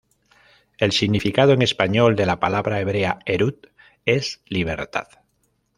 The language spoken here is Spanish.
El significado en español de la palabra hebrea "Herut" es Libertad.